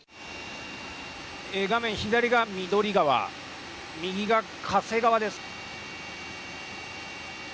画面左が緑川右が加勢川です。